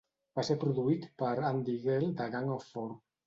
Va ser produït per Andy Gill de Gang of Four.